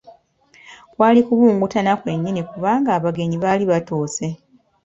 Kwali kubuguutana kwennyini kubanga abagenyi baali batuuse.